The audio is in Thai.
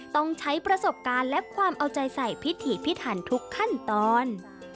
ต้องใช้ประสบการณ์และความเอาใจใส่พิถีพิถันทุกขั้นตอน